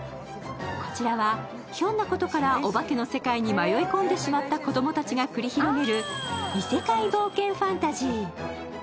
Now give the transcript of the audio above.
こちらは、ひょんなことからお化けの世界に迷い込んでしまった子供達が繰り広げる異世界冒険ファンタジー。